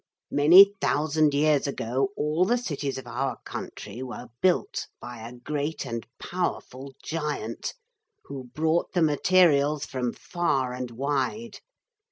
Many thousand years ago all the cities of our country were built by a great and powerful giant, who brought the materials from far and wide.